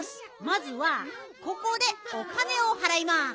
まずはここでお金をはらいます。